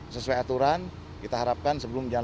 sesuai aturan kita harapkan sebelum jalan delapan belas